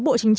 bộ chính phủ